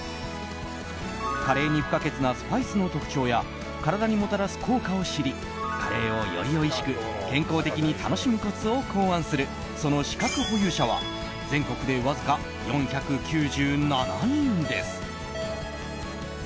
カレーに不可欠なスパイスの特徴や体にもたらす効果を知りカレーをよりおいしく健康的に楽しむコツを考案するその資格保有者は全国でわずか４９７人です。